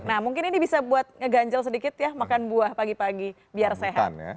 nah mungkin ini bisa buat ngeganjel sedikit ya makan buah pagi pagi biar sehat